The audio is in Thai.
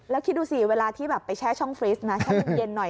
แล้วคิดดูสิเวลาที่แบบไปแช่ช่องฟรีสนะแช่เย็นหน่อย